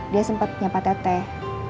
dia sempat nyapa teteh